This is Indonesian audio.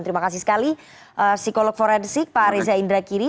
terima kasih sekali psikolog forensik pak reza indragiri